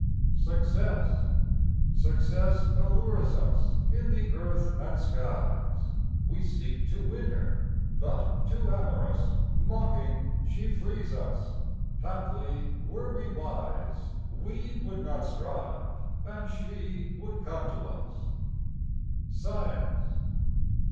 SUCCESS. Success allures us in the earth and skies: We seek to win her, but, too amorous, Mocking, she flees us. Haply, were we wise, We would not strive and she would come to us. SCIENCE.